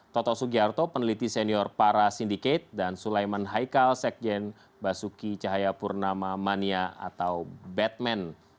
toto sugiharto peneliti senior para sindiket dan sulaiman haikal sekjen basuki cahayapurnama mania atau batman